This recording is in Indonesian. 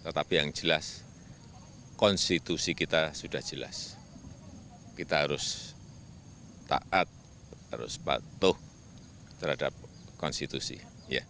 tetapi yang jelas konstitusi kita sudah jelas kita harus taat harus patuh terhadap konstitusi ya